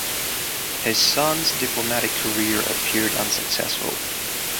His son's diplomatic career appeared unsuccessful.